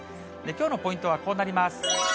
きょうのポイントはこうなります。